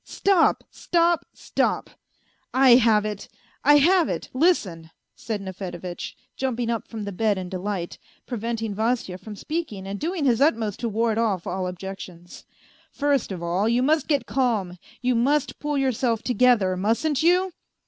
... Stop, stop, stop ! I have it, I have it listen," said Nefedevitch, jumping up from the bed in delight, preventing Vasya from speaking and doing his utmost to ward off all objec tions ;" first of all you must get calm, you must pull yourself together, mustn't you